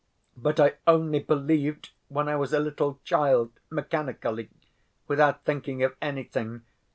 But I only believed when I was a little child, mechanically, without thinking of anything.